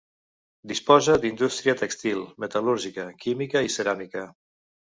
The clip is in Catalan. Disposa d'indústria tèxtil, metal·lúrgica, química i ceràmica.